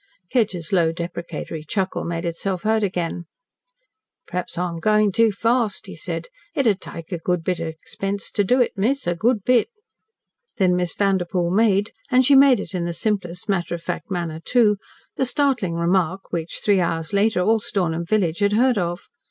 Kedgers' low, deprecatory chuckle made itself heard again, "Perhaps I'm going too fast," he said. "It would take a good bit of expense to do it, miss. A good bit." Then Miss Vanderpoel made and she made it in the simplest matter of fact manner, too the startling remark which, three hours later, all Stornham village had heard of.